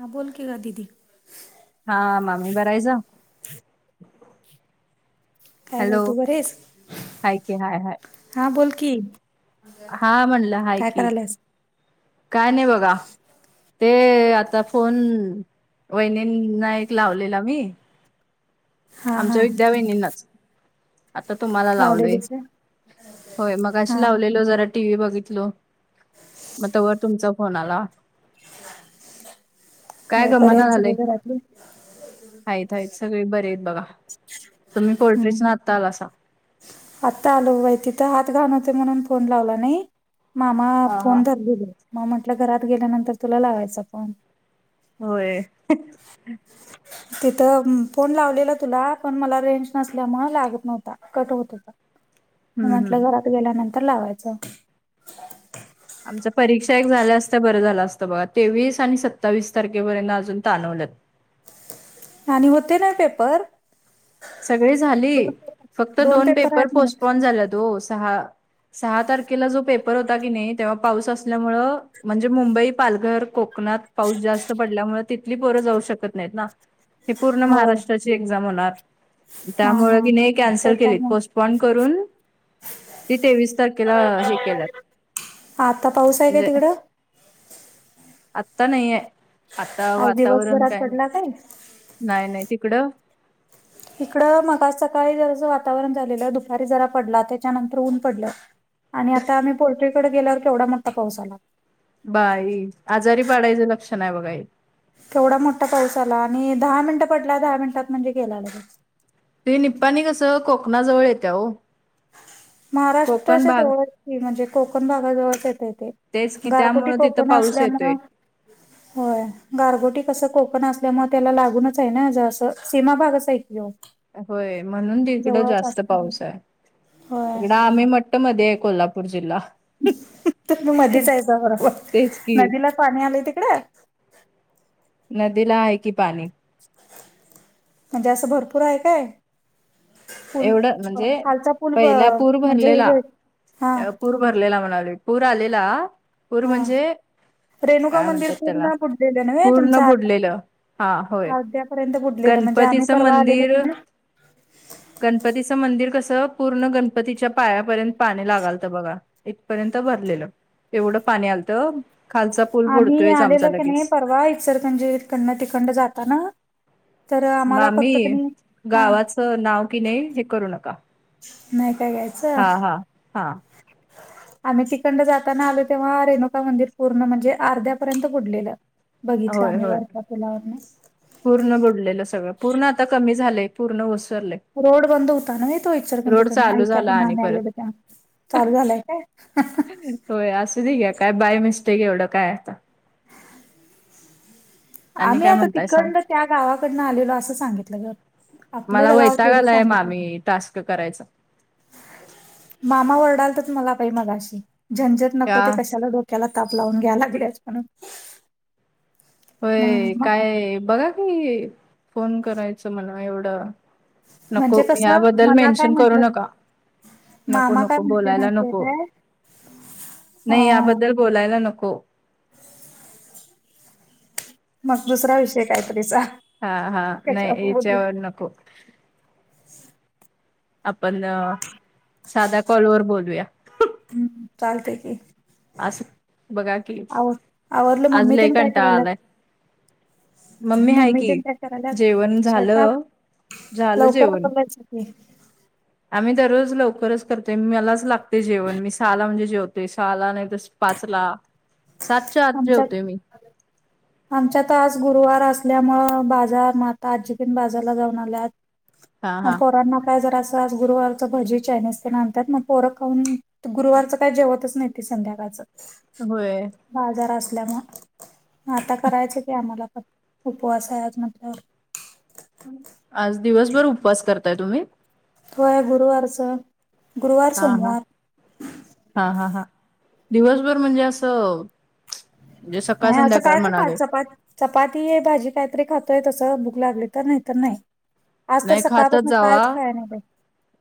हां, बोल की गं दीदी. हा, मामी बरं हायसा. काय बाई हॅलो तू बरी हायस, हाय की हाय हाय हां बोल की, हा म्हणलं हाय काय की कराल्यास. काय नाही बघा. ते, आता फोन वहिनीना एक लावलेला मी. हा हा आमच्या विद्या वहिनींनाचं. आता तुम्हाला लावलोय. लावलेलीच व्हय? होयं, हा मगाशी लावलेलो जरा, टी व्ही बघितलो, मग तवर तुमचा फोन आला. काय हो, बरीत सगळी घरातली. हायत हायत सगळी बरे आहेत बघा, तुम्ही पोल्ट्रीसंन हम्म आता आलासा. आत्ता आलो बाई. तिथं हात घाण होते, म्हणून फोन लावला नाही. मामा हा हा फोन धरलेले मग म्हटलं, घरात गेल्यानंतर तुला लावायचा फोन. होय. तिथं फोन लावलेला तुला, पण मला रेंज नसल्यामुळे लागतं नव्हता कट होतं होता. [inaudible] हम्म म्हंटलं घरात गेल्यानंतर लावायचं. आमच्या परीक्षा एक झाल्या असत्या बरं झालं असतं बघा तेवीस आणि सत्तावीस तारखेपर्यंत अजून ताणवलेत. आणि होते ना पेपर सगळी झाली दोन फक्त पेपर दोन पेपर आहेत म्हणत पोस्टपॉन झालेत ओ सहा सहा तारखेला जो पेपर होता की नाही तेव्हा पाऊस असल्यामुळं म्हणजे मुंबई, पालघर, कोकणात पाऊस जास्त पडल्यामुळे तिली पोरं जाऊ शकत नाहीत ना. ती पूर्ण होय महाराष्ट्राची एक्झाम होणार. हा त्यामुळ हा की नाही कॅन्सल केले त्याच्यामुळे पोस्टपॉन करून ती तेवीस तारखेला हे केल्यात आता पाऊस [inaudible] आहे काय म्हणजे तिकडं [inaudible] आता नाही आहे. आता वातावरण काय नाही. नाही नाही तिकडं? इकड मग आज सकाळी जरसं वातावरण झालेलं दुपारी जरा पडला त्याच्यानंतर ऊन पडलं. आणि आता आम्ही पोल्ट्रीकडे गेल्यावर केवढा मोठा पाऊस आला. बाई आजारी पाडायचं लक्षण आहे बघा हे. केवढा मोठा पाऊस आला आणि दहा मिनिट पडला दहा मिनिटात म्हणजे गेला लगेच. ती निपानी कसं कोकणाजवळ येत्या ओ. महाराष्ट्राच्या जवळच की म्हणजे कोकण भागाजवळच येतय तेे. तेच की त्यामुळं तिथं पाऊस येतोय. होय गारगोटी कसं कोकण असल्यामुळ त्याला लागूनच आहे ना जरास सीमा भागच आहे की ह्यो. होय म्हणून तिकडं जास्त असल्यामुळे पाऊस आहे. होय इकडं आम्ही म्हट्ट मध्ये आहे कोल्हापूर जिल्हा. तुम्ही मधीच हाईसा म्हणा. तेच [unintelligible] की नदीला पाणी आलंय तिकड? नदीला आहे की पाणी. म्हणजे असं भरपूर आहे काय? [inaudible] पूल एवढं म्हणजे खालचा पूल ब पहिला पूर म्हणजे हे भरलेला गे हा. अ, पूर भरलेला म्हणालोय. पूर आलेला पूर हा म्हणजे रेणुका काय मंदिर म्हणतात त्याला? पूर्ण बुडलेलं नव्हे पूर्ण तुमचं आत बुडलेलं हा होय. अर्ध्यापर्यंत बुडलेलं म्हणजे आम्ही गणपतीचं परवा आलेलो मंदिर की [inaudible] नाही गणपतीचं मंदिर कसं पूर्ण गणपतीच्या पायापर्यंत पाणी लागालत बघ. इथपर्यंत भरलेलं एवढं पाणी आलत. आम्ही आलेलो की नाही परवा इचलकरंजी कडनं तिकडंन जातान तर आम्हाला फक्त कनी हा हा. तर नाव की नाही हे करू नका. नाही काय घ्यायचं. हा हा हा [inaudible] आम्ही तिकडंन जातान आलो तेव्हा रेणुका मंदिर पूर्ण म्हणजे अर्ध्या पर्यंत बुडलेलं. बघितलं होय आम्ही होय वरच्या पुलावरणच. पूर्ण बुडलेलं. सगळं पूर्ण आता कमी झालंय. पूर्ण ओसरलंय. रोड बंद होता नव्हे तो इचलकरंजी रोड कडंन चालू आय टी आय झाला कडन आणि आम्ही परत आलेलो तेव्हा. चालू झालंय काय? होय असू दे घ्या काय बाय मिस्टेक एवढं काय आता. आणि आम्ही काय आता म्हणताय सांग तिकंडन त्या गावाकडनं आलेलो असं सांगितलं गं. मला वैताग आलाय मामी टास्क करायचा. मामा वरडालतत मला बाई मगाशी झंझट नको का ते कशाला? डो क्याला ताप लावून घ्याय लागलियास म्हणून. होय मम्मा काय बघा की, फोन करायचं म्हणा एवढं नको म्हणजे कसं याबद्दल मला काय मेन्शन करू म्हंटलं नका. नको मामा काय नको म्हटले बोलायला माहितीये नको काय [inaudible] अ नाही याबद्दल बोलायला नको. मग दुसरा विषय कायतरी सांग? हा हा कशावर नाही बोलू इच्यावरर नको आपण साध कॉल वर बोलूया हम्म चालतेय की असं बघा की आव आवडलं आज मम्मी लय त्यानी काय कंटाळा करायला आलाय हाय मम्मी की त्यांच्या शरालात जेवण शेफा झालं झालं लवकर जेवण ह् आम्ही दररोज लवकरच करतो मलाच लागते जेवण मी सहाला म्हणजे जेवतो ते शालाने त पाचला सातच्या आत संमच्या जेवते मी आमच्यात आज गुरुवार असल्यामुं बाजार म्हाता आजी पण बाजारला जाऊन आल्यात हा म हा पोरांना काय जरा असं आज गुरुवारच भजी चायनीज ते नाणतात मग पोर खान गुरुवारचं काय जेवतच नाही ते संध्याकाळचं होय बाजार असल्यामुळे आता करायचे की आम्हाला उपवास आहे आज म्हटल्यावर आज दिवसभर उपवास करताय तुम्ही होोय गुरुवारच हा हा हा हा हा दिवसभर म्हणजे असं म्हणजे सकाळ ह असं संध्याकाळ काय तर ख म्हणाले चपात चपाती आहे भाजी कायतरी खातोय तसं भूक लागली तर नाहीत नाही आज तर नाही खातच सकाळपासून जावा कायच खाय नाही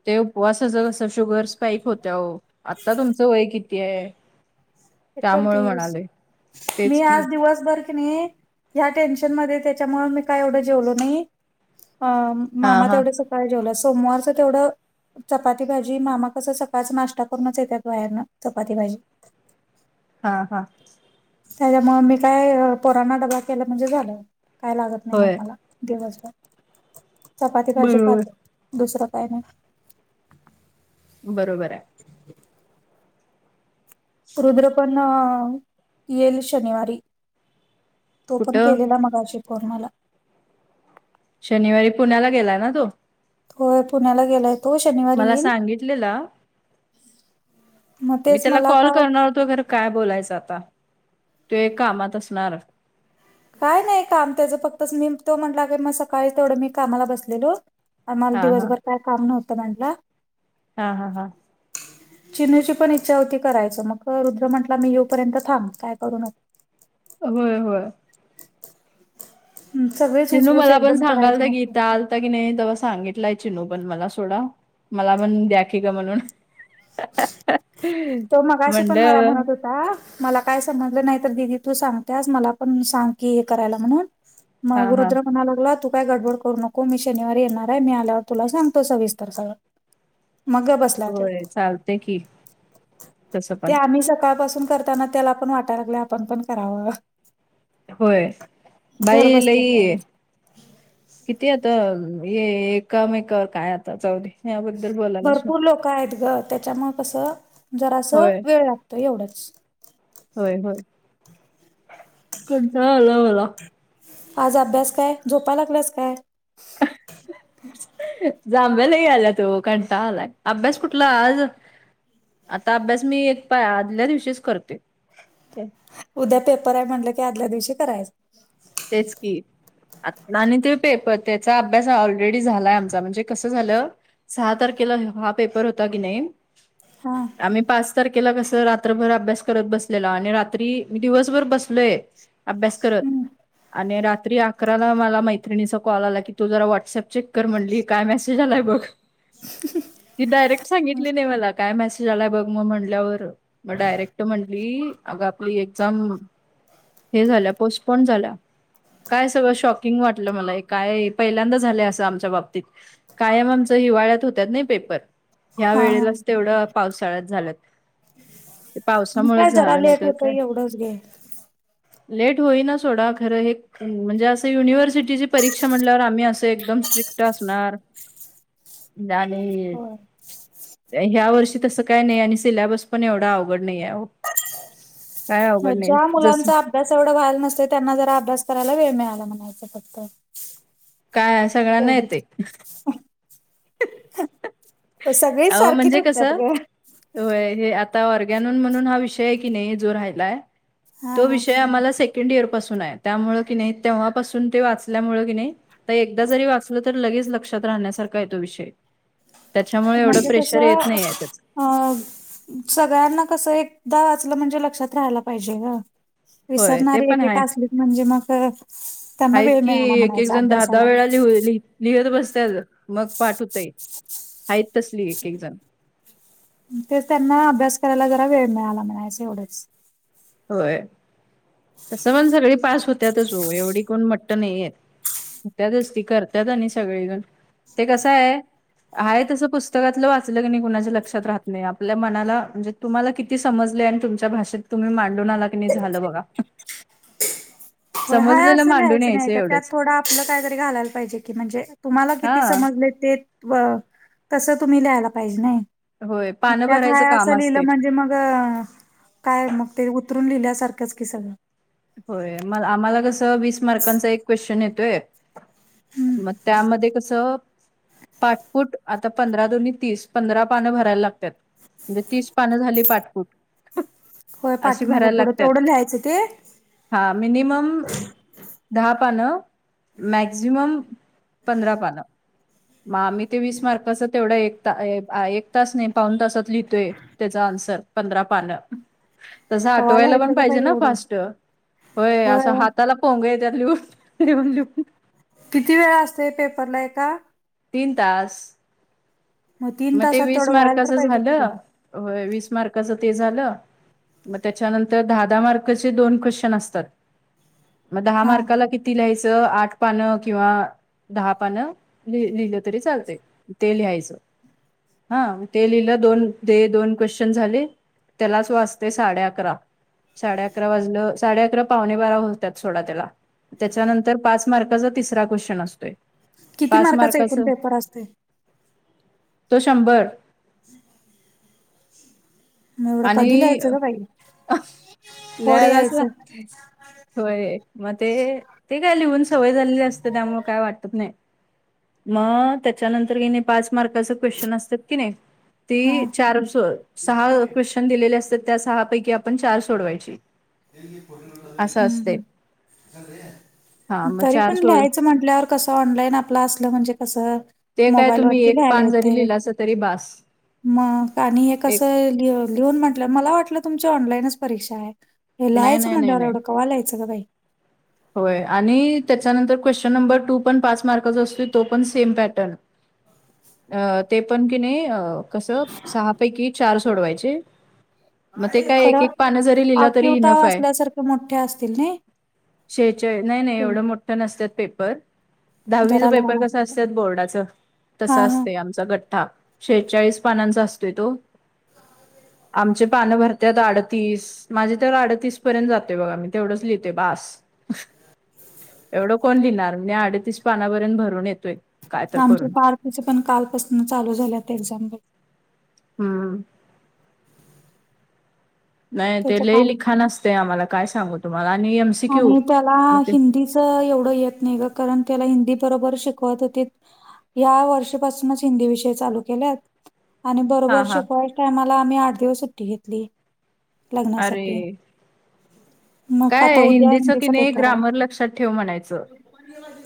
ते उपवासाच कस शुगर स्पाईक होत्या हो आता तुमचं वय किती आहे त्यामुळे एकोणतीस म्हणाले मी तेच की आज दिवसभर ह टेन्शन म त्याच्यामुळे मी काय एवढ जेवलो नाही हा मामा हा तेवढं सकाळी जेवलं सोमवारच तेवढं चपाती भाजी मामा कस सकाळच नाश्ता करूनच येतात बायारनं चपाती भाजी हा हा त्याच्यामु मी काय पोराना डबा केला म्हणजे झालं काय लागत नाही मग होय मला दिवाज चपाती भाजी बरोबर खाते दुसरं काय नाही बरोबर आहे [inaudible] रुद्र पण येईल शनिवारी तो पण कुठं केलेला मग आजी फोन मला शनिवारी पुण्याला गेलाय ना तो होय पुण्याला गेलाय तो शनिवारी मला येईल सांगितलेला मग मी तेच त्याला मला कॉल काय करणार होतो खर काय बोलायचं आता तू एक कामात असणार काय नाही काम त्याचं फक्तच मी तो म्हटला काी मग सकाळी तेवढं मी कामाला बसलेलो आम्हाला हा हा दिवसभर काय काम नव्हतं म्हटलं हा हा हा चिन्हची पण इच्छा होती करायचं मग रुद्र म्हटला मी येऊपर्यंत थांब काय करू नको होय होय ह सगळे. चिनू मला पण सांगाल तर गीताल. आता की नाही तेव्हा सांगितलाय चीनू पण मला सोडा, मला पण द्या की ग म्हणून. तो मगाशी पण मला म्हणलं म्हणत होत. मला काय समजलं नाही तर दिदी तू सांगतेस मला पण सांग की हे करायला म्हणून. हा मग हा रुद्र म्हणायला लागला तू. काय गडबड करू नको मी शनिवारी येणार आहे मी आल्यावर तुला सांगतो सविस्तर सवर मग बस होय चालतेय की तसं ते पण आम्ही सकाळपासून करताना त्याला पण वाटायला लागले आपण पण करावं होय घर बाई बसल्या लईे तेवढंच किती आता ये एकामेकर काय आता चौध याबद्दल बोलायलाच नको. कायत ग त्याच्यामुळे कसं जरासं होय वेळ लागतो एवढंच. होय होय कोणचा आलावाला आज अभ्यास काय, झोपायला लागलास काय. आहा. जांभळ्या लई यायलात ओ कंटाळा आलाय अभ्यास कुठला आज. आता अभ्यास मी एक पा आदल्या दिवशीच करते. उद्या पेपर आहे म्हटलं की, आदल्या दिवशी करायचं. तेच की. आणि ते पे त्याचा अभ्यास ऑलरेडी झालाय आमचा म्हणजे कसं झालं. सहा तारखेला हा पेपर होता की नाही. हा आम्ही पाच तारखेला कसं रात्रभर अभ्यास करत बसलेलो, आणि रात्री दिवसभर बसलोय. अभ्यास करत. हम्म आणि रात्री अकराला मला मैत्रिणीचा कॉल आला की तू, जरा व्हॉट्सअप चेक कर म्हणली काय मेसेज आलाय बघ. ती डायरेक्ट सांगितली नाही मला काय मेसेज आलाय बघ मग म्हटल्यावर. मग डायरेक्ट म्हंटली अग आपली एक्झाम हे झाल्या पोस्टपोन झाल्या. काय सगळं शॉकिंग वाटलं मला काय पहिल्यांदा झालं असं आमच्या बाबतीत. कायम आमच हिवाळ्यात होत्यात नाही पेपर. ह्या हा हा वेळेलाच तेवढं पावसाळ्यात झाल्यात. ते मग काय पावसामुळेच जरा झालं नाही लेट तर होतं काय एवढंच घे लेट होईना सोडा. खरं एक. म्हणजे असं युनिव्हर्सिटीची परीक्षा म्हणल्यावर आम्ही असं एकदम स्ट्रिक्ट असणार. दाणे. होय ह्या वर्षी तसं काय नाही आणि सिलेबस पण एवढा अवघड नाही आहे ओ. काय अवघड नाही ज्या जस. मुलांचा अभ्यास एवढं व्हायला नसते त्यांना जरा अभ्यास करायला वेळ मिळाला म्हणायचं फक्त. काय सगळ्यांना येते. ह. प सगळे सारखे टकतात ग. य हे आता ऑरगॅनन म्हणून हा विषय आहे की नाही जो राहायलाय. हा तो हा विषय आम्हाला सेकंड इयर पासून आहे, त्यामुळ कि नाही तेव्हापासून ते वाचल्यामुळ कि नाही. तर एकदा जरी वाचलं तर लगेच लक्षात राहण्यासारखा आहे तो विषय. त्याच्यामुळे एवढं म्हणजे प्रेशर कसं येत नाही आहे त्याच. अ सगळ्यांना कसं एकदा वाचलं म्हणजे लक्षात राहायला पाहिजे ग. होय ते विसरणारी पण एकेका आहे. असलीच म्हणजे मग त्यांना वेळ मिळाला म्हणायचा अभ्यास. दर वेळा लिहुत लिहत बसत्यात मग पाठ होतय आहेत तसली एक एक जण. तेच त्यांना अभ्यास करायला जरा वेळ मिळाला म्हनायच एवढंच. होय तसं पण सगळी पास होत्यातच ओ एवढी कोण मठ नाही आहेत. त्या दसती करतत आणि सगळेजण ते कसं आहे. आहे तसं पुस्तकातलं वाचलं की नाही, कुणाच्या लक्षात राहत नाही आपल्या मनाला म्हणजे. तुम्हाला किती समजले आणि तुमच्या भाषेत तुम्ही मां. डोनल अग्नी झालं बघा. काय समजलेलं असं मांडून लिहायचं नाही यायचं का त्यात एवढंच थोडं आपलं कायतरी घालायला पाहिजे की म्हणजे तुम्हाला हा किती समजले ते तसं तुम्ही ल्यायला पाहिजे नाही. होय पानं त्यात भरायचं हाय काम असं लिहिलं असते. म्हणजे मग काय मग ते उतरून लिहिल्यासारखंच की सगळं. होय म आम्हाला कसं वीस मार्कांचा एक क्वेश्चन येतोय. हम्म मग त्यामध्ये कसं. पाटपुट आता पंधरा दोनी तीस पंधरा पानं भरायला लागतात. म्हणजे तीस पानं झाली पाटपुट. होयं पाठीमागं पुढं तेवढं लिहायचं ते. हां मिनिमंम दहा पानं मॅक्झिमंम पंधरा पानं मंग आम्हीं ते वीसं मार्काचं तेवढं एक एक तासं नाहीं पावूंन तासांत लिहितोय त्यांचा आन्संर पंधरा पानं तसं कवा आठवांयला पणं लिहायचं ग पाहिजे बाई नां एवढं. फास्टं होयं असं होय हातांला पोहंग यं त्यां लिहूंन लिहूंन लिंहूंन किती वेळां असतेय पेपरला एकां तीनं तासं मग तीन मंग ते तासात वीसं तेवढं व्हायला तर मार्काचं पाहिजे की बाई झालं हो वीसं मार्काचं ते झालं मंग त्यांच्यानंतर दहा दहा मार्कचे दोन क्नचंन असतांत मंग दहा हा मार्काला कि किती लिहायचं आंठ पानं किंवा दहा पानं ते लिहिले तरी चालतें ते लिहायचं हां ते लिहलं दोन दे दोन क्वेश्चन झांले त्यांलाचं वाचते सांडे अकरां सांडे अकरां वाजलं सांडे अकरां पांवणे बांरा होतांत सोंडा त्यांला त्यांच्यानंतर पांच मार्काचा तिसरा क्वेश्चन असतों यं किती मार्काचा एकूंण पेपर असतें तो शंभर आवांज येतं नाहीं आणि लिहायचं ग बाई थोडं लिहायंलांच यायचं लांगते होयं मंग ते ते कायं लिहूंन सवंय झालेली असतें त्यामुळें कायं वाटतं नाहीं मंग ते त्यांनंतर गेणे पांच मार्काच क्वेश्चन असतांत की नाहीं हा ते चार सहां क्श्नन दिले दिले असतं त्यां सहां पैकीं आपणं चार सोडवांयची असतें आवांज येतं नाहीं असं असतें तरी पणं लिहायचं म्हंटल्यावर कसं ऑनलाईन आपलं असलं म्हणजे कसं ते कायं मोबाईल तुम्हीं वरती एक पानं जरी लिहिलं असलं तरी बांस मंग आणि हे कसं लिहूंन म्हटलं मलां वाटलं तुमंची ऑनलाईनचं परीक्षा आहे हे नाही लहाचं नाही म्हंटल्यावर एवढं कवा लीहायंच गं बांई होयं आणि त्यांच्यानंतर क्वेश्चन नंबर टूं पणं पांच मार्काचा असते तो पणं सेम पॅटर्न ह [unintelligible] अं ते पणं कि नाहीं अं कसं सहां पैकी चार सोडवांयचे मंग ते कायं एक खरं एक पानं जरी लिहिलं तरी ही नफां आहे ते मोठे असतील नाहीं छे छे ते नाहीं नाहीं एवढं मोठं नसतांत पेपर दहावीच जरा पेपर लहान कसां असतील असतांत बोर्डाचं तसं हा हा असतें आमचां गठ्ठां शेहेचांळीस पानांचा असतोय तों आमचे पानं भरत्यांत अडतीस मांझे त्यां अडतीस पर्यंत जाते बघां मी तेवढंच लिहिते बांस एवढं कोणं लिहिणांर मी अडतीस पानांपर्यंत भरूंन येतोयं आमच्यां पार्टचं पणं कांलपासूंन चालूं झालेत एक्झांम्स हम्मं नाहीं ते त्याच लंय काल लिखांण असतें आम्हांला कायं सांगू तुम्हांला आणि मं आणि त्यांला हिन्दीचं एवढं येतं नाहीं गं कारणं त्यांला हिंदी बरोबर शिकवंत होते. यां वर्षापांसूनचं हिन्दी विषय चालूं केलां आहे आणि हा बरोबर हा शिकवांयच्यां टांयमाला आम्हीं आंठ दिवसं सुट्टी घेतलीं लग्नांसाठी मंग कायं हिन्दी चं की नाहीं ग्रामर लक्षांत ठेवं म्हणायचं